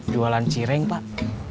jualan cireng pak